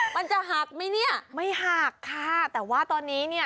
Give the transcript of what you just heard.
มันจะหักไหมเนี่ยไม่หักค่ะแต่ว่าตอนนี้เนี่ย